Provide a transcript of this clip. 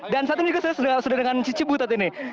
dan saat ini juga saya sedang dengan cici butet ini